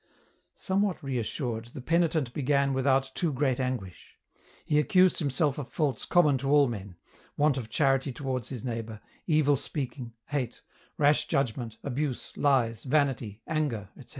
Somewhat reassured, the penitent began without too great anguish. He accused himself of faults common to all men, want of charity towards his neighbour, evil speaking, hate, rash judgment, abuse, lies, vanity, anger, etc.